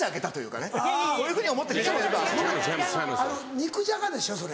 肉じゃがでしょそれ。